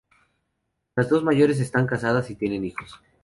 Las dos mayores están casadas y tienen hijos.